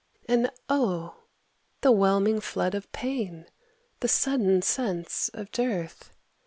And oh, the whelming flood of pain, The sudden sense of dearth!